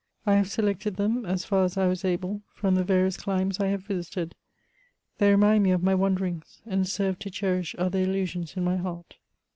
I have selected them, as far as I was able, from the various climes I have visited. They remind me of my wanderings, and serve to cherish other illu sions in my heart.